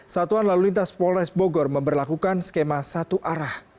satuan lalu lintas polres bogor memperlakukan skema satu arah